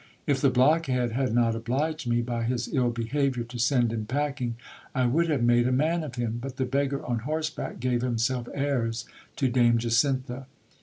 If the blockhead had not obliged me, by his ill behaviour, to send him packing, I would have made a man of him : but the beggar on horseback gave himself airs to Dame Jacintha